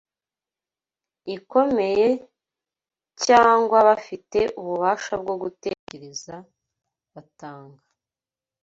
ikomeye, cyangwa bafite ububasha bwo gutekereza — batanga